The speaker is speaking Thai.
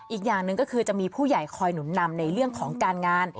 อีกอย่างหนึ่งก็คือจะมีผู้ใหญ่คอยหนุนนำในเรื่องของการงาน